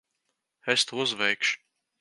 Es to uzveikšu.